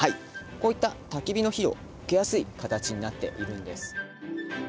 こういったたき火の火を受けやすい形になっているんです。